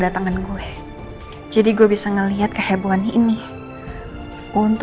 emang dia ada ke depan seperti itu